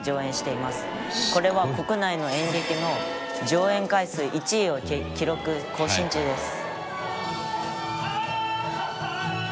「これは国内の演劇の上演回数１位を記録更新中です」